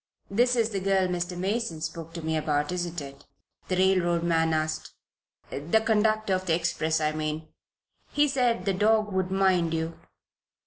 "This is the girl Mr. Mason spoke to me about, isn't it?" the railroad man asked. "The conductor of the express, I mean. He said the dog would mind you."